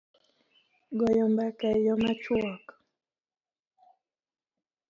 goyo mbaka e yo machuok